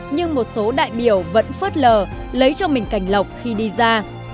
nhưng một số đại biểu vẫn phớt lờ lấy cho mình cảnh lộc khi đi ra